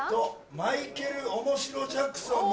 マイケルおもしろジャクソン。